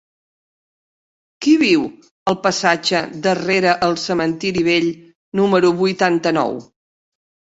Qui viu al passatge de Rere el Cementiri Vell número vuitanta-nou?